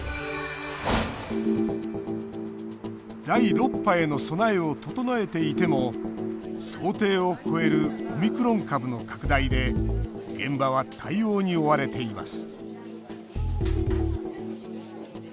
第６波への備えを整えていても想定を超えるオミクロン株の拡大で現場は対応に追われています。